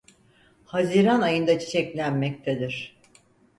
Haziran ayında çiçeklenmektedir.